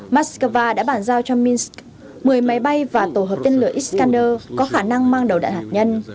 từ ngày ba tháng bốn moscow đã bản giao cho minsk một mươi máy bay và tổ hợp tên lửa iskander có khả năng mang đầu đạn hạt nhân